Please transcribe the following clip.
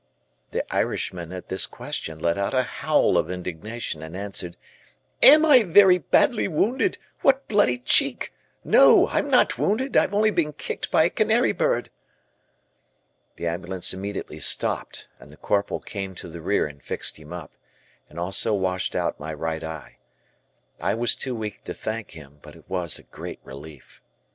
The Irishman, at this question, let out a howl of indignation and answered, "Am I very badly wounded, what bloody cheek; no, I'm not wounded, I've only been kicked by a canary bird." The ambulance immediately stopped, and the Corporal came to the rear and fixed him up, and also washed out my right eye. I was too weak to thank him, but it was a great relief.